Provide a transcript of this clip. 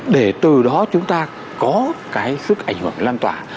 để từ đó chúng ta có cái sức ảnh hưởng lan tỏa